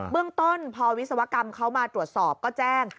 เรื่องต้นพอวิศวกรรมเขามาตรวจสอบก็แจ้ง